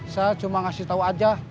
saya cuma ngasih tahu aja